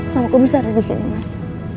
kamu kok bisa ada disini mas